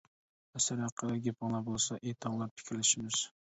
ئەسەر ھەققىدە گېپىڭلار بولسا، ئېيتىڭلار، پىكىرلىشىمىز.